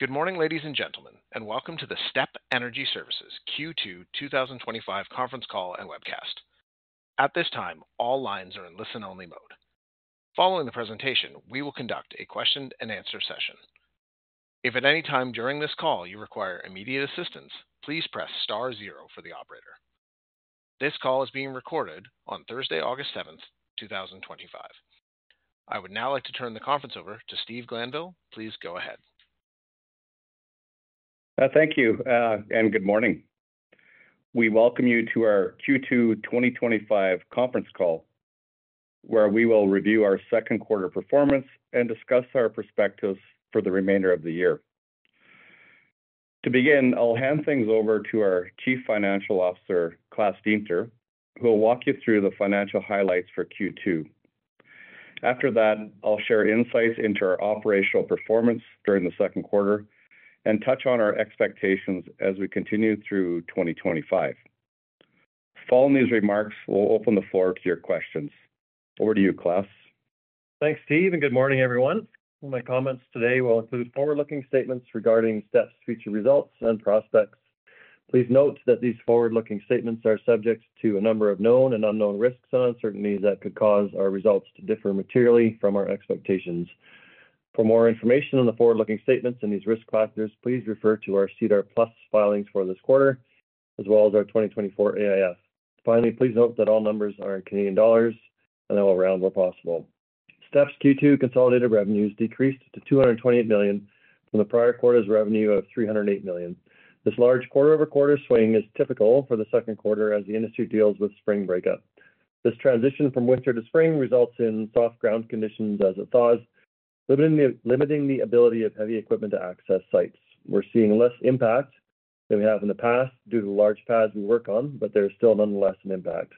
Good morning, ladies and gentlemen, and welcome to the STEP Energy Services Q2 2025 Conference Call and Webcast. At this time, all lines are in listen-only mode. Following the presentation, we will conduct a question-and-answer session. If at any time during this call you require immediate assistance, please press Star, zero for the operator. This call is being recorded on Thursday, August 7th, 2025. I would now like to turn the conference over to Steve Glanville. Please go ahead. Thank you, and good morning. We welcome you to our Q2 2025 Conference Call, where we will review our second quarter performance and discuss our perspectives for the remainder of the year. To begin, I'll hand things over to our Chief Financial Officer, Klaas Deemter, who will walk you through the financial highlights for Q2. After that, I'll share insights into our operational performance during the second quarter and touch on our expectations as we continue through 2025. Following these remarks, we'll open the floor to your questions. Over to you, Klaas. Thanks, Steve, and good morning, everyone. My comments today will include forward-looking statements regarding STEP's future results and prospects. Please note that these forward-looking statements are subject to a number of known and unknown risks and uncertainties that could cause our results to differ materially from our expectations. For more information on the forward-looking statements and these risk factors, please refer to our CDER+ filings for this quarter, as well as our 2024 AIF. Finally, please note that all numbers are in Canadian dollars, and I will round where possible. STEP's Q2 consolidated revenues decreased to $220 million from the prior quarter's revenue of $308 million. This large quarter-over-quarter swing is typical for the second quarter as the industry deals with spring breakup. This transition from winter to spring results in tough ground conditions as it thaws, limiting the ability of heavy equipment to access sites. We're seeing less impact than we have in the past due to the large pads we work on, but there is still nonetheless an impact.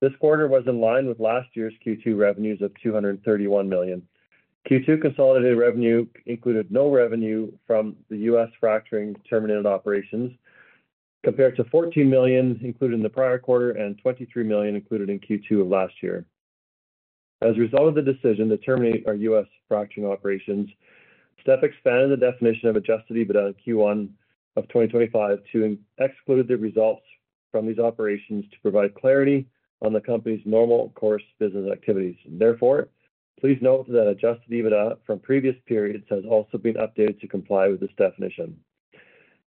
This quarter was in line with last year's Q2 revenues of $231 million. Q2 consolidated revenue included no revenue from the U.S. fracturing terminated operations, compared to $14 million included in the prior quarter and $23 million included in Q2 of last year. As a result of the decision to terminate our U.S. fracturing operations, STEP expanded the definition of adjusted EBITDA in Q1 of 2025 to exclude the results from these operations to provide clarity on the company's normal course business activities. Therefore, please note that adjusted EBITDA from previous periods has also been updated to comply with this definition.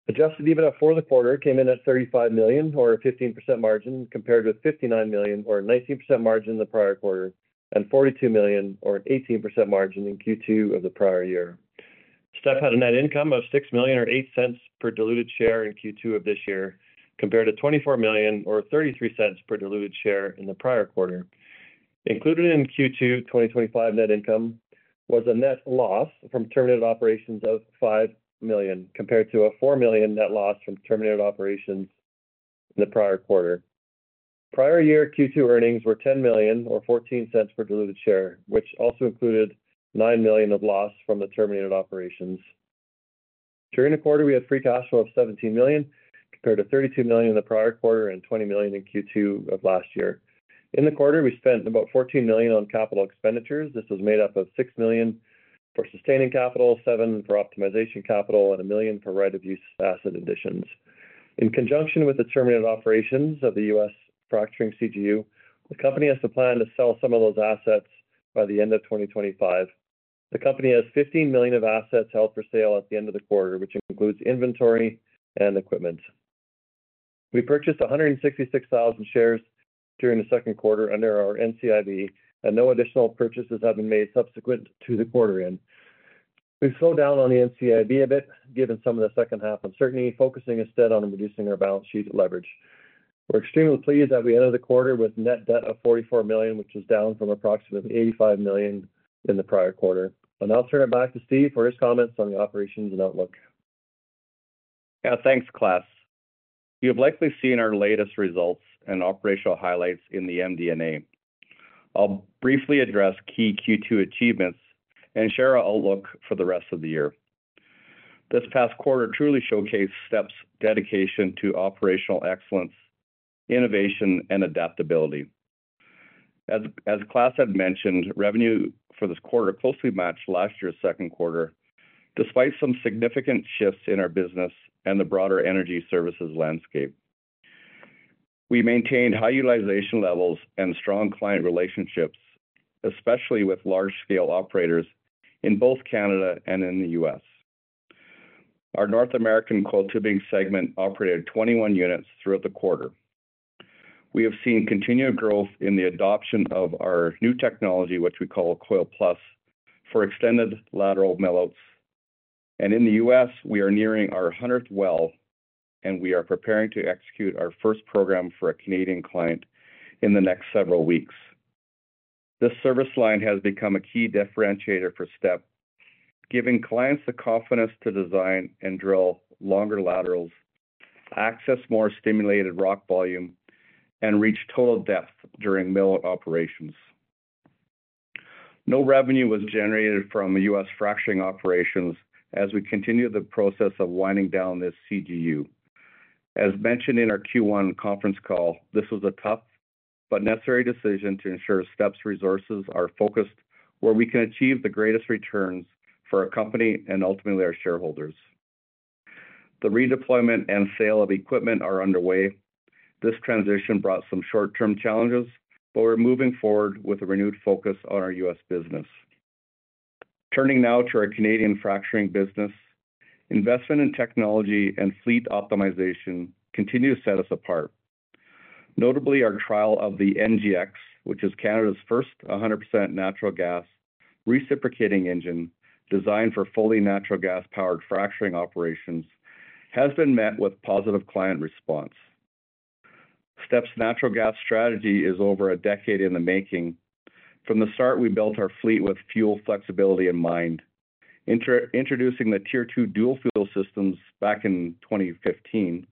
Adjusted EBITDA for the quarter came in at $35 million, or a 15% margin, compared with $59 million, or a 19% margin in the prior quarter, and $42 million, or an 18% margin in Q2 of the prior year. STEP had a net income of $6.08 per diluted share in Q2 of this year, compared to $24 million, or $0.33 per diluted share in the prior quarter. Included in Q2 2025 net income was a net loss from terminated operations of $5 million, compared to a $4 million net loss from terminated operations in the prior quarter. Prior year Q2 earnings were $10 million, or $0.14 per diluted share, which also included $9 million of loss from the terminated operations. During the quarter, we had a free cash flow of $17 million, compared to $32 million in the prior quarter and $20 million in Q2 of last year. In the quarter, we spent about $14 million on capital expenditures. This was made up of $6 million for sustaining capital, $7 million for optimization capital, and $1 million for right-of-use asset additions. In conjunction with the terminated operations of the U.S. fracturing CGU, the company has a plan to sell some of those assets by the end of 2025. The company has $15 million of assets held for sale at the end of the quarter, which includes inventory and equipment. We purchased 166,000 shares during the second quarter under our NCIB, and no additional purchases have been made subsequent to the quarter end. We've slowed down on the NCIB a bit, given some of the second half uncertainty, focusing instead on reducing our balance sheet leverage. We're extremely pleased that we ended the quarter with a net debt of $44 million, which was down from approximately $85 million in the prior quarter. I'll turn it back to Steve for his comments on the operations and outlook. Yeah, thanks, Klaas. You've likely seen our latest results and operational highlights in the MD&A. I'll briefly address key Q2 achievements and share our outlook for the rest of the year. This past quarter truly showcased STEP's dedication to operational excellence, innovation, and adaptability. As Klaas had mentioned, revenue for this quarter closely matched last year's second quarter, despite some significant shifts in our business and the broader energy services landscape. We maintained high utilization levels and strong client relationships, especially with large-scale operators in both Canada and in the U.S. Our North American coiled tubing segment operated 21 units throughout the quarter. We have seen continued growth in the adoption of our new technology, which we call CoilPlus split string technology, for extended lateral well completions. In the U.S., we are nearing our 100th well, and we are preparing to execute our first program for a Canadian client in the next several weeks. This service line has become a key differentiator for STEP, giving clients the confidence to design and drill longer laterals, access more stimulated rock volume, and reach total depth during well completions. No revenue was generated from the U.S. fracturing operations as we continued the process of winding down this CGU. As mentioned in our Q1 conference call, this was a tough but necessary decision to ensure STEP's resources are focused where we can achieve the greatest returns for our company and ultimately our shareholders. The redeployment and sale of equipment are underway. This transition brought some short-term challenges, but we're moving forward with a renewed focus on our U.S. business. Turning now to our Canadian fracturing business, investment in technology and fleet optimization continue to set us apart. Notably, our trial of the NGX, which is Canada's first 100% natural gas reciprocating engine designed for fully natural gas-powered fracturing operations, has been met with positive client response. STEP's natural gas strategy is over a decade in the making. From the start, we built our fleet with fuel flexibility in mind, introducing the Tier 2 dual fuel systems back in 2015,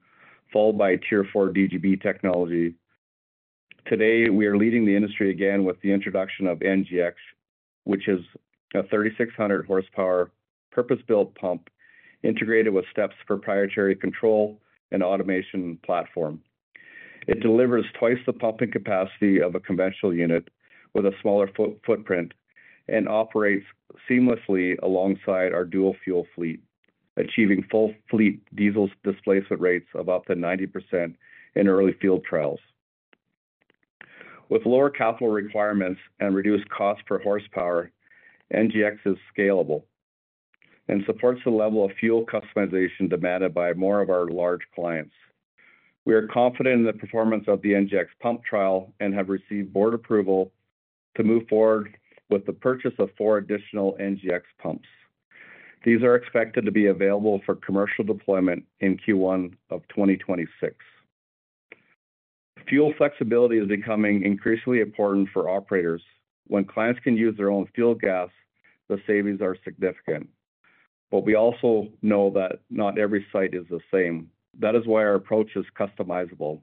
followed by Tier 4 dual fuel systems technology. Today, we are leading the industry again with the introduction of NGX, which is a 3,600-horsepower purpose-built pump integrated with STEP's proprietary control and automation platform. It delivers twice the pumping capacity of a conventional unit with a smaller footprint and operates seamlessly alongside our dual fuel fleet, achieving full fleet diesel displacement rates of up to 90% in early field trials. With lower capital requirements and reduced cost per horsepower, NGX is scalable and supports the level of fuel customization demanded by more of our large clients. We are confident in the performance of the NGX pump trial and have received board approval to move forward with the purchase of four additional NGX pumps. These are expected to be available for commercial deployment in Q1 of 2026. Fuel flexibility is becoming increasingly important for operators. When clients can use their own fuel gas, the savings are significant. We also know that not every site is the same. That is why our approach is customizable.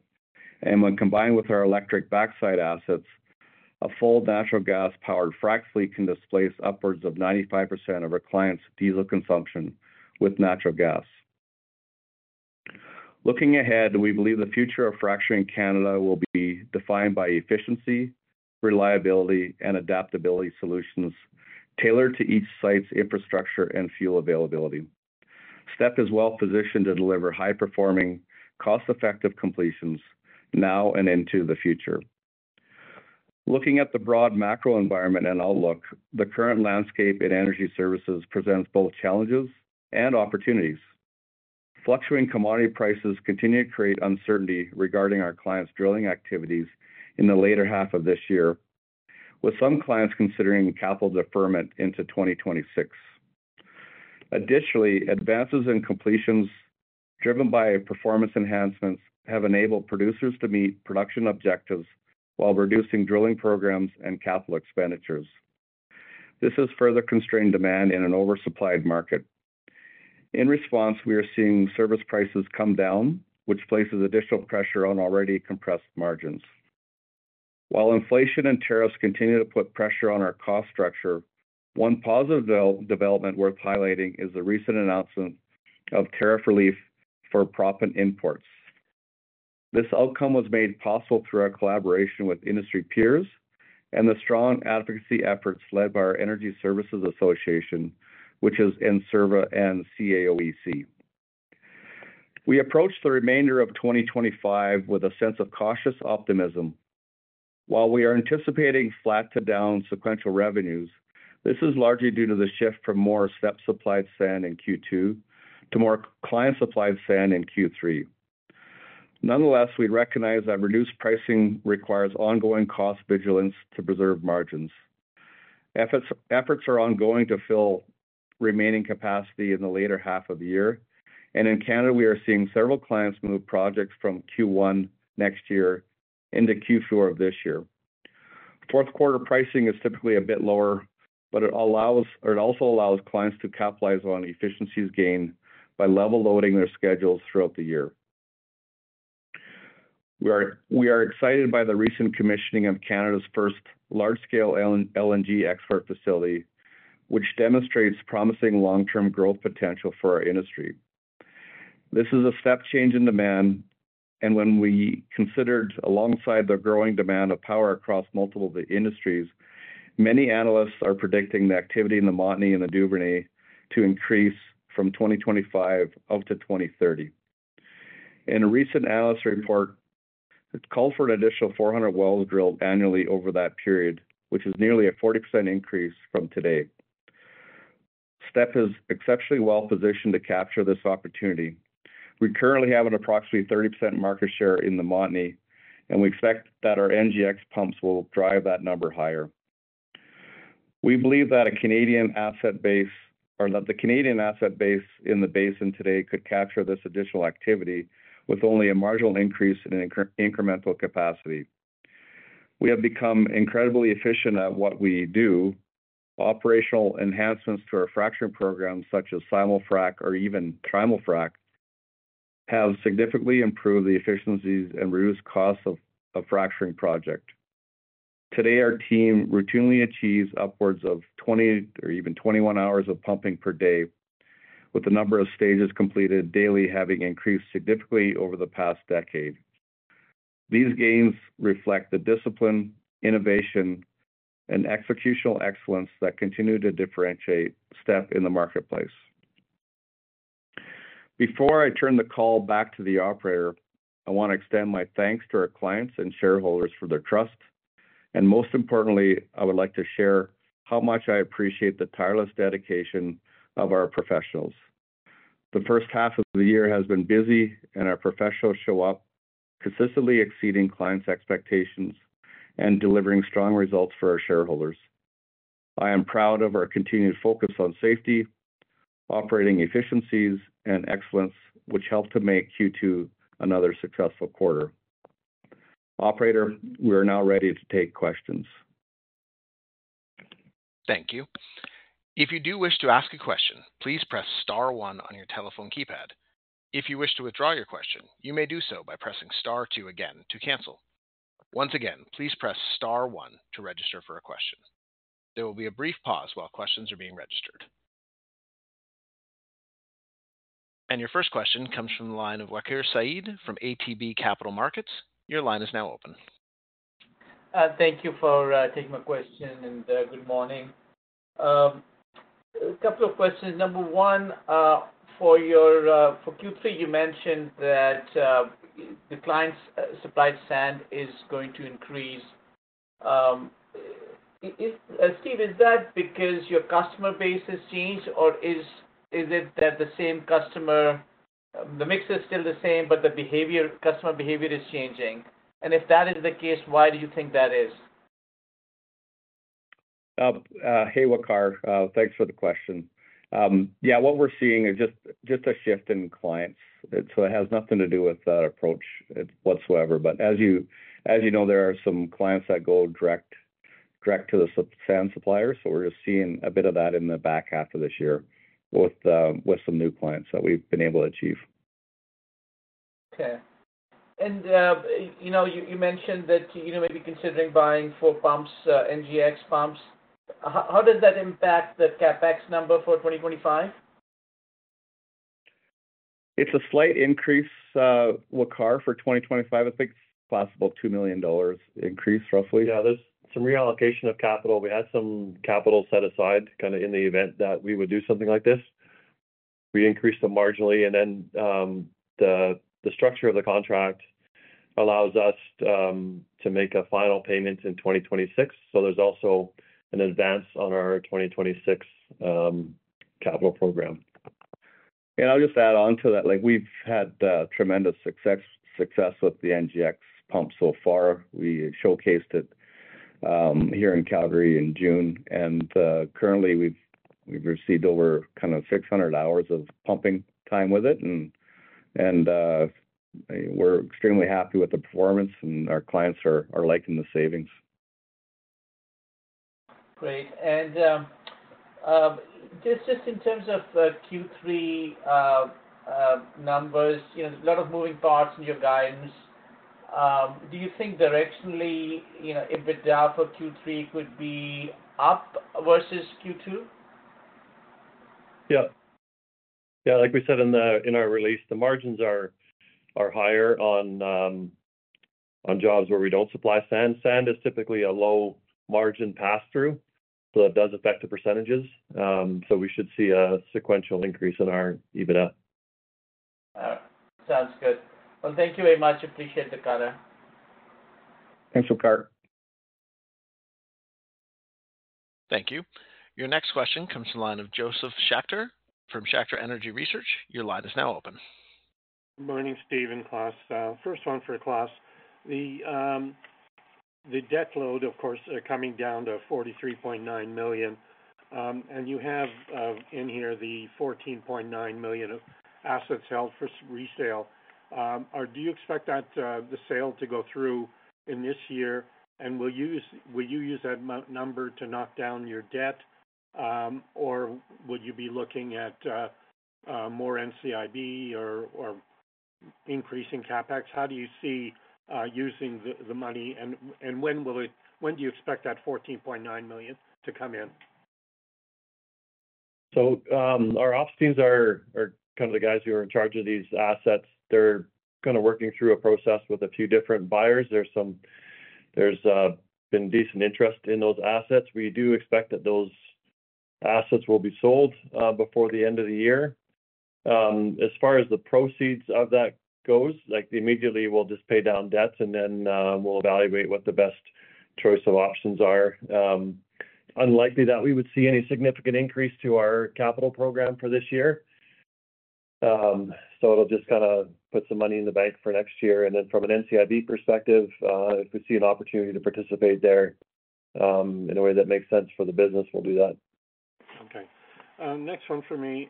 When combined with our electric backside assets, a full natural gas-powered frac fleet can displace upwards of 95% of our clients' diesel consumption with natural gas. Looking ahead, we believe the future of fracturing in Canada will be defined by efficiency, reliability, and adaptability solutions tailored to each site's infrastructure and fuel availability. STEP is well positioned to deliver high-performing, cost-effective completions now and into the future. Looking at the broad macro environment and outlook, the current landscape in energy services presents both challenges and opportunities. Fluctuating commodity prices continue to create uncertainty regarding our clients' drilling activities in the latter half of this year, with some clients considering capital deferment into 2026. Additionally, advances in completions driven by performance enhancements have enabled producers to meet production objectives while reducing drilling programs and capital expenditures. This has further constrained demand in an oversupplied market. In response, we are seeing service prices come down, which places additional pressure on already compressed margins. While inflation and tariffs continue to put pressure on our cost structure, one positive development worth highlighting is the recent announcement of tariff relief for proppant imports. This outcome was made possible through our collaboration with industry peers and the strong advocacy efforts led by our Energy Services Association, which is ENCERVA and CAOEC. We approach the remainder of 2025 with a sense of cautious optimism. While we are anticipating flat to down sequential revenues, this is largely due to the shift from more STEP-supplied sand in Q2 to more client-supplied sand in Q3. Nonetheless, we recognize that reduced pricing requires ongoing cost vigilance to preserve margins. Efforts are ongoing to fill remaining capacity in the latter half of the year, and in Canada, we are seeing several clients move projects from Q1 next year into Q4 of this year. Fourth quarter pricing is typically a bit lower, but it also allows clients to capitalize on efficiencies gained by level-loading their schedules throughout the year. We are excited by the recent commissioning of Canada's first large-scale LNG export facility, which demonstrates promising long-term growth potential for our industry. This is a step change in demand, and when we consider it alongside the growing demand of power across multiple industries, many analysts are predicting the activity in the Montney and the Duvernay to increase from 2025 up to 2030. In a recent analyst report, it called for an additional 400 wells drilled annually over that period, which is nearly a 40% increase from today. STEP is exceptionally well positioned to capture this opportunity. We currently have an approximately 30% market share in the Montney, and we expect that our NGX pumps will drive that number higher. We believe that the Canadian asset base in the basin today could capture this additional activity with only a marginal increase in incremental capacity. We have become incredibly efficient at what we do. Operational enhancements to our fracturing programs, such as simul frac or even trimul frac, have significantly improved the efficiencies and reduced costs of a fracturing project. Today, our team routinely achieves upwards of 20 or even 21 hours of pumping per day, with the number of stages completed daily having increased significantly over the past decade. These gains reflect the discipline, innovation, and executional excellence that continue to differentiate STEP in the marketplace. Before I turn the call back to the operator, I want to extend my thanks to our clients and shareholders for their trust, and most importantly, I would like to share how much I appreciate the tireless dedication of our professionals. The first half of the year has been busy, and our professionals show up consistently exceeding clients' expectations and delivering strong results for our shareholders. I am proud of our continued focus on safety, operating efficiencies, and excellence, which helped to make Q2 another successful quarter. Operator, we are now ready to take questions. Thank you. If you do wish to ask a question, please press Star, one on your telephone keypad. If you wish to withdraw your question, you may do so by pressing Star, two again to cancel. Once again, please press Star, one to register for a question. There will be a brief pause while questions are being registered. Your first question comes from the line of Waqar Syed from ATB Capital Markets. Your line is now open. Thank you for taking my question, and good morning. A couple of questions. Number one, for Q3, you mentioned that the client-supplied sand is going to increase. Steve, is that because your customer base has changed, or is it that the same customer, the mix is still the same, but the customer behavior is changing? If that is the case, why do you think that is? Hey, Waqar. Thanks for the question. Yeah, what we're seeing is just a shift in clients. It has nothing to do with our approach whatsoever. As you know, there are some clients that go direct to the sand suppliers. We're just seeing a bit of that in the back half of this year with some new clients that we've been able to achieve. Okay. You mentioned that you're going to be considering buying full pumps, NGX pumps. How does that impact the CapEx number for 2025? It's a slight increase, Waqar, for 2025. I think it's a possible $2 million increase, roughly Yeah, there's some reallocation of capital. We had some capital set aside kind of in the event that we would do something like this. We increased it marginally, and then the structure of the contract allows us to make a final payment in 2026. There's also an advance on our 2026 capital program. I'll just add on to that. We've had tremendous success with the NGX pump so far. We showcased it here in Calgary in June, and currently we've received over 600 hours of pumping time with it. We're extremely happy with the performance, and our clients are liking the savings. Great. In terms of Q3 numbers, you know, a lot of moving parts in your guidance. Do you think directionally, you know, EBITDA for Q3 could be up versus Q2? Yeah, like we said in our release, the margins are higher on jobs where we don't supply sand. Sand is typically a low margin pass-through, so it does affect the %. We should see a sequential increase in our EBITDA. Sounds good. Thank you very much. Appreciate the cutter. Thanks, Waqar. Thank you. Your next question comes from the line of Josef Schachter from Schachter Energy Research. Your line is now open. Morning, Steve and Klaas. First one for Klaas. The debt load, of course, is coming down to $43.9 million. You have in here the $14.9 million of assets held for resale. Do you expect the sale to go through in this year? Will you use that number to knock down your debt, or would you be looking at more NCIB or increasing CapEx? How do you see using the money, and when do you expect that $14.9 million to come in? Our off-season are kind of the guys who are in charge of these assets. They're kind of working through a process with a few different buyers. There's been decent interest in those assets. We do expect that those assets will be sold before the end of the year. As far as the proceeds of that goes, immediately we'll just pay down debts, and then we'll evaluate what the best choice of options are. It is unlikely that we would see any significant increase to our capital program for this year. It'll just kind of put some money in the bank for next year. From an NCIB perspective, if we see an opportunity to participate there in a way that makes sense for the business, we'll do that. Okay. Next one for me.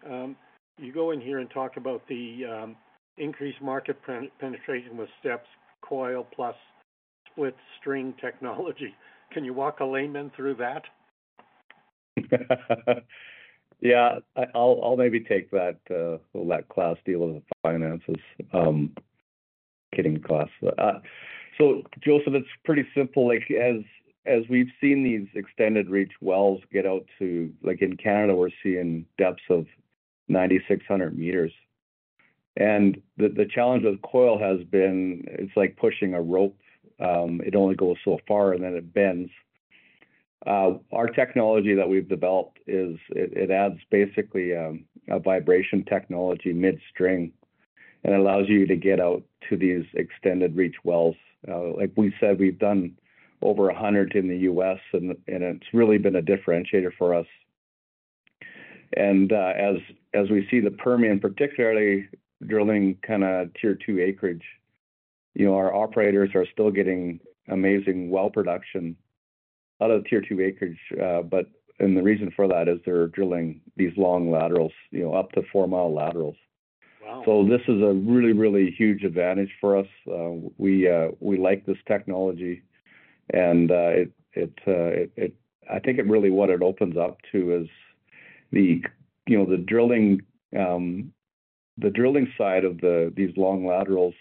You go in here and talk about the increased market penetration with STEP's CoilPlus split string technology. Can you walk a layman through that? Yeah, I'll maybe take that. We'll let Klaas deal with the finances. Kidding, Klaas. Joseph, it's pretty simple. As we've seen these extended reach wells get out to, like in Canada, we're seeing depths of 9,600 m. The challenge with coil has been, it's like pushing a rope. It only goes so far, and then it bends. Our technology that we've developed adds basically a vibration technology mid-string, and it allows you to get out to these extended reach wells. Like we said, we've done over 100 in the U.S., and it's really been a differentiator for us. As we see the Permian, particularly drilling kind of Tier 2 acreage, our operators are still getting amazing well production out of the Tier 2 acreage. The reason for that is they're drilling these long laterals, up to four-mile laterals. This is a really, really huge advantage for us. We like this technology. I think what it really opens up is the drilling side of these long laterals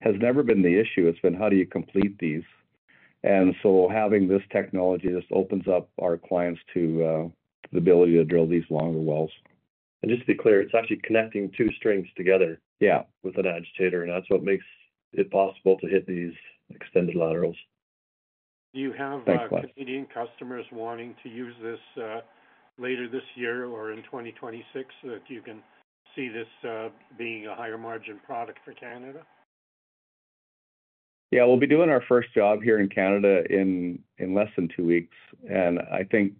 has never been the issue. It's been, how do you complete these? Having this technology opens up our clients to the ability to drill these longer wells. To be clear, it's actually connecting two strings together. Yeah, with an agitator. That's what makes it possible to hit these extended laterals. Do you have Canadian customers wanting to use this later this year or in 2026? Do you see this being a higher margin product for Canada? Yeah, we'll be doing our first job here in Canada in less than two weeks. I think,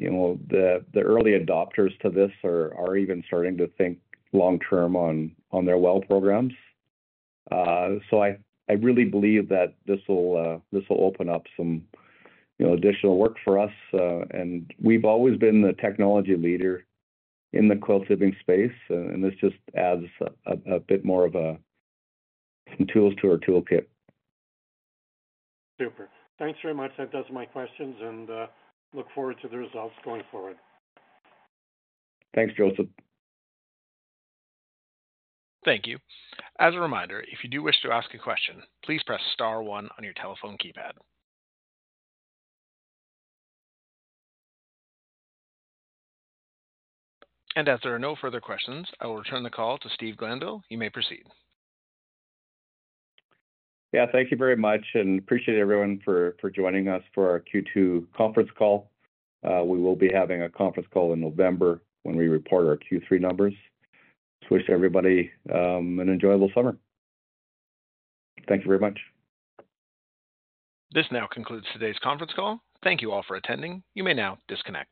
you know, the early adopters to this are even starting to think long-term on their well programs. I really believe that this will open up some, you know, additional work for us. We've always been the technology leader in the coiled tubing space. This just adds a bit more of tools to our toolkit. Super. Thanks very much. That does it for my questions. I look forward to the results going forward. Thanks, Joseph. Thank you. As a reminder, if you do wish to ask a question, please press Star, one on your telephone keypad. As there are no further questions, I will return the call to Steve Glanville. You may proceed. Thank you very much. I appreciate everyone for joining us for our Q2 conference call. We will be having a conference call in November when we report our Q3 numbers. I just wish everybody an enjoyable summer. Thank you very much. This now concludes today's conference call. Thank you all for attending. You may now disconnect.